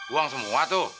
uang semua tuh